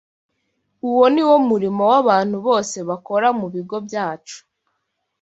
Uwo ni wo murimo w’abantu bose bakora mu bigo byacu